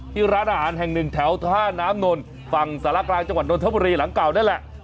ที่ร้านอาหารแห่งหนึ่งแถวท่าน้ำนนฝั่งสารกลางจังหวัดนทบุรีหลังเก่านั่นแหละ